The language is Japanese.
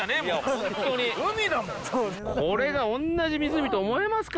ホントにこれが同じ湖と思えますか？